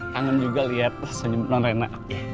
kangen juga liat senyum norena